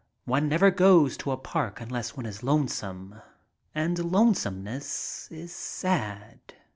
One never goes to a park unless one is lone some. And lonesomeness is sad.